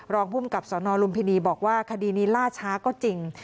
รองภูมิกับสนลุมพินีบอกว่าคดีนี้ล่าช้าก็จริง